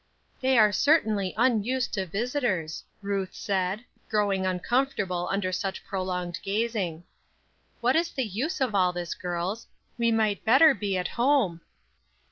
"They are certainly unused to visitors," Ruth said, growing uncomfortable under such prolonged gazing. "What is the use of all this, girls? We might better be at home."